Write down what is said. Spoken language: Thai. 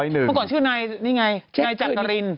เมื่อก่อนชื่อนายนี่ไงนายจักริน